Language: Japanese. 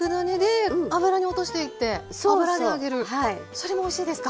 それもおいしいですか？